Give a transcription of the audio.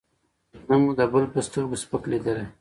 نه مو د بل په سترګو سپک لېدلی.